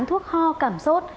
thuốc ho cảm sốt